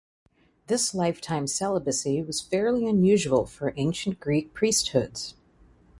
This lifetime celibacy was fairly unusual for ancient Greek priesthoods.